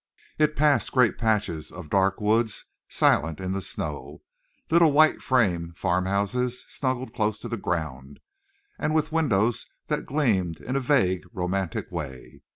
It passed great patches of dark woods silent in the snow, little white frame farmhouses snuggled close to the ground, and with windows that gleamed in a vague romantic way.